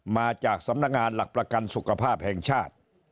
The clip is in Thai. มาจากสำนักงานหลักประกันสุขภาพแห่งชาติ